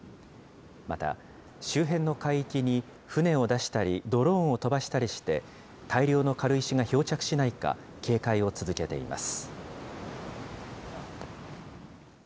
また周辺の海域に船を出したりドローンを飛ばしたりして、大量の軽石が漂着しないか警戒を続けています。